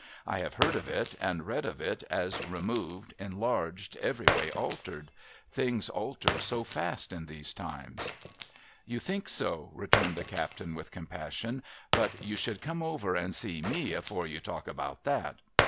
I have heard of it, and read of it, as removed, enlarged, every way altered. Things alter so fast in these times.' 24S A MESSAGE FROM THE SEA ' You think so,' returned the captain, with compassion ;' but you should come over and see ;//<? afore you talk about that.